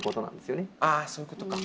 あそういうことか。